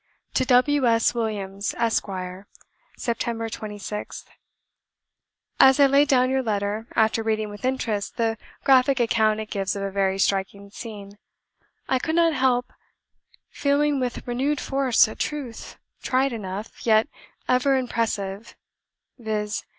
TO W. S. WILLIAMS, ESQ. "Sept. 26th. "As I laid down your letter, after reading with interest the graphic account it gives of a very striking scene, I could not help feeling with renewed force a truth, trite enough, yet ever impressive; viz.